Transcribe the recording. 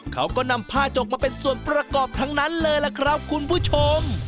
เขาก็นำผ้าจกมาเป็นส่วนประกอบทั้งนั้นเลยล่ะครับคุณผู้ชม